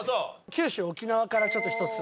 九州・沖縄からちょっと１つ。